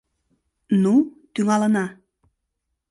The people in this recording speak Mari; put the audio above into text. Ну, тӱҥалына.